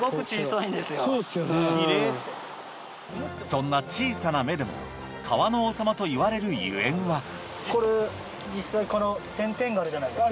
そんな小さな目でも川の王様といわれるゆえんはと！